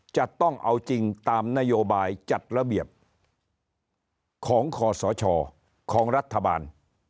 จะต้องเอาจริงตามนโยบายจัดระเบียบของคอสชของรัฐบาล